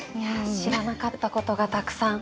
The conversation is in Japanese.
知らなかったことがたくさん。